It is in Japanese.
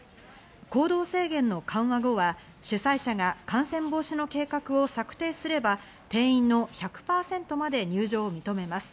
行動制限の緩和後は主催者が感染防止の計画を策定すれば定員の１００％まで入場を認めます。